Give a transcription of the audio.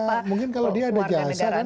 ya saya mungkin kalau dia ada jasa